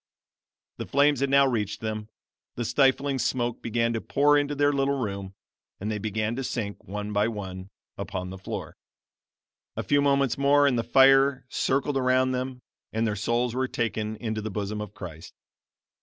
The flames had now reached them; the stifling smoke began to pour into their little room, and they began to sink, one by one, upon the floor. A few moments more and the fire circled around them, and their souls were taken into the bosom of Christ.